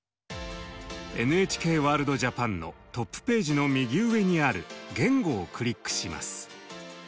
「ＮＨＫワールドＪＡＰＡＮ」のトップページの右上にある「言語」をクリックします。